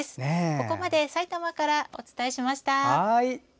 ここまで埼玉からお伝えしました。